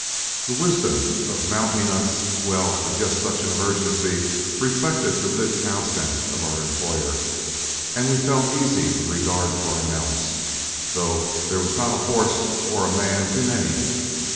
The wisdom of mounting us well for just such an emergency reflected the good cow sense of our employer; and we felt easy in regard to our mounts, though there was not a horse or a man too many.